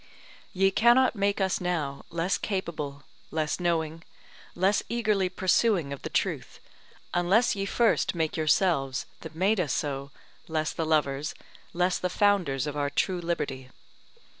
Ye cannot make us now less capable, less knowing, less eagerly pursuing of the truth, unless ye first make yourselves, that made us so, less the lovers, less the founders of our true liberty.